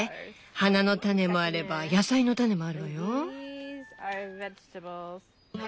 花の種もあれば野菜の種もあるわよ。